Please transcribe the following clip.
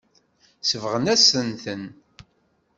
Sebɣen-asen-ten.